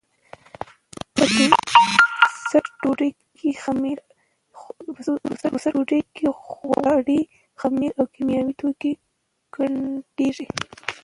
په ټوسټ ډوډۍ کې غوړي، خمیر او کیمیاوي توکي ګډېږي.